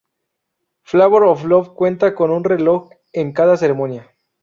Flavor of Love cuenta con un reloj en cada ceremonia.